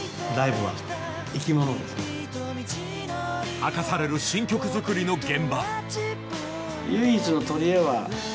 明かされる新曲作りの現場。